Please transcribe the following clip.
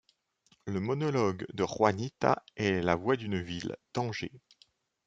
Le monologue de Juanita est la voix d’une ville, Tanger.